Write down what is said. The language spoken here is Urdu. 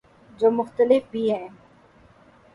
جو مختلف بھی ہیں